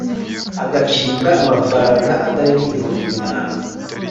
Agacibwa amafaranga atarenga ibihumbi bitanu